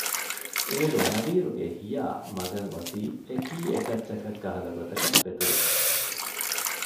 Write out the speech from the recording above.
އޭރު ހަވީރުގެ ހިޔާ މަގަށް އޮތީ އެކީ އެކައްޗަކަށް ކަހަލަ ގޮތަކަށް ފެތުރިފަ